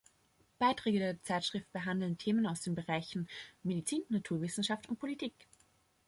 Beiträge der Zeitschrift behandeln Themen aus den Bereichen Medizin, Naturwissenschaft und Politik.